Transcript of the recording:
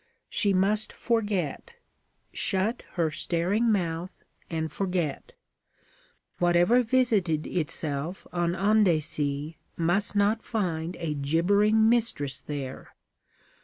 She must forget shut her staring mouth and forget. Whatever visited itself on Andecy must not find a gibbering mistress there.